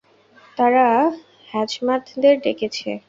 তারা হ্যাজমাতদের ডেকেছে।